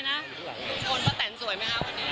คุณปะแตนสวยไหมครับวันนี้